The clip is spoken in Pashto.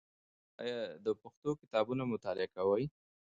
آیا ته د پښتو کتابونو مطالعه کوې؟